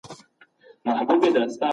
ژبه او ټولنې ته ریښتيني خدمت وکړي.